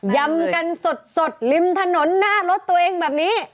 ยำกันสดริมถนนหน้ารถตัวเองแบบนี้